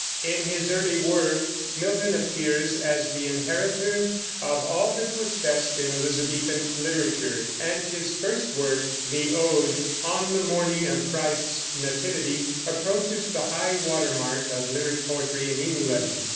In his early work Milton appears as the inheritor of all that was best in Elizabethan literature, and his first work, the ode "On the Morning of Christ's Nativity," approaches the high water mark of lyric poetry in England.